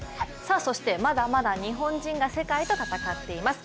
そしてまだまだ日本人が世界と戦っています。